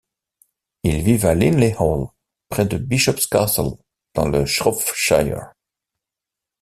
Ils vivent à Linley Hall, près de Bishop's Castle dans le Shropshire.